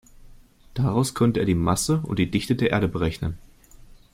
Daraus konnte er die Masse und die Dichte der Erde berechnen.